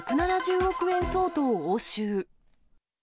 １７０億円相当押収。